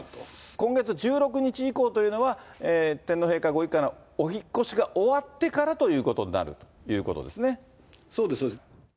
今月１６日以降というのは、天皇陛下御一家のお引っ越しが終わってからということになるといそうです、そうです。